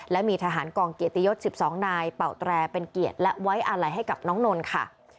และมีทหารกองเกียรติยศ๑๒นายเป่าแตรเป็นเกียรติและไว้อาลัยให้กับน้องนนท์ค่ะ